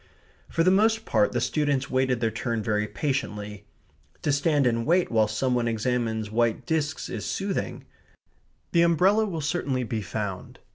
For the most part the students wait their turn very patiently. To stand and wait while some one examines white discs is soothing. The umbrella will certainly be found.